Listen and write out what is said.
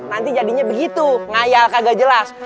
nanti jadinya begitu ngayal kagak jelas